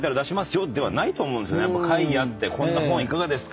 会議あって「こんな本いかがですか？」